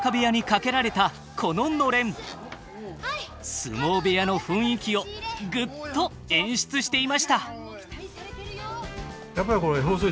相撲部屋の雰囲気をぐっと演出していました。